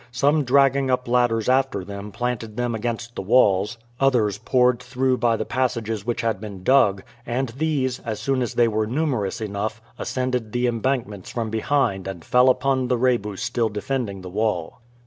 Some dragging up ladders after them planted them against the walls, others poured through by the passages which had been dug, and these, as soon as they were numerous enough, ascended the embankments from behind and fell upon the Rebu still defending the wall.